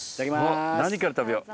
何から食べよう。